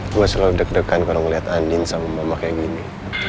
gue selalu deg degan kalau ngeliat andin sama mama kayak gini